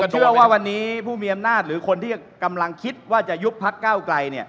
เชื่อว่าวันนี้ผู้มีอำนาจหรือคนที่กำลังคิดว่าจะยุบพักเก้าไกล